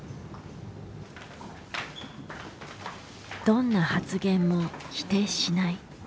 どんな発言も否定しない。